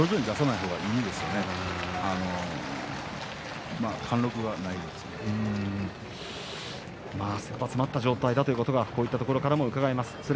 せっぱ詰まった状態だということがこういうところからもうかがえます。